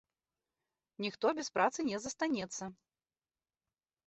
Ніхто без працы не застанецца.